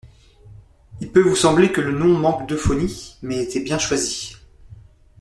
Il peut vous sembler que le nom manque d'euphonie, mais il était bien choisi.